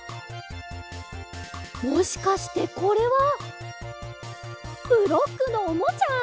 もしかしてこれはブロックのおもちゃ？